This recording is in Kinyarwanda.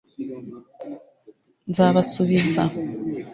nzabasubiza